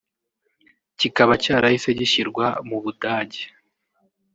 kikaba cyarahise gishyirwa mu Budage